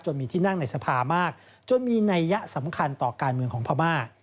มีที่นั่งในสภามากจนมีนัยยะสำคัญต่อการเมืองของพม่า